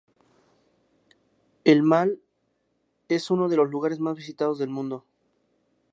El Mall es uno de los lugares más visitados de la ciudad.